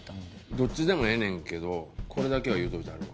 どっちでもええねんけどこれだけは言うといたるわ。